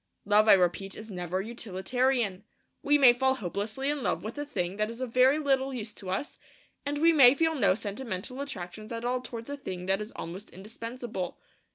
Love, I repeat, is never utilitarian. We may fall hopelessly in love with a thing that is of very little use to us; and we may feel no sentimental attractions at all towards a thing that is almost indispensable.